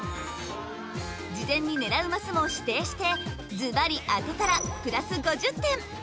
事前に狙うマスも指定してずばり当てたらプラス５０点！